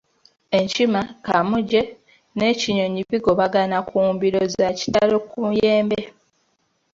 "Enkima, kaamuje n’ekinyonyi bigobagana ku mbiro za kitalo ku muyembe."